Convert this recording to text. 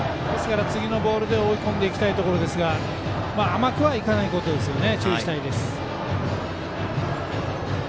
次のボールで追い込んでいきたいところですが甘くはいかないことですね。